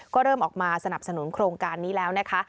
ก็เริ่มออกมาสนับสนุนโครงการนี้แล้วนะคะ